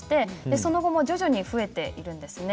その後も徐々に増えているんです。